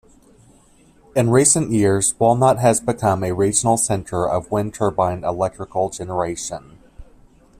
In recent years Walnut has become a regional center of wind turbine electrical generation.